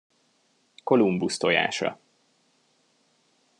Kolumbusz tojása.